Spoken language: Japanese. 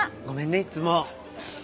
ごめんねいっつも。